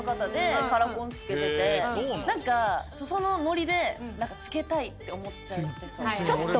何かそのノリで着けたいって思っちゃってそう。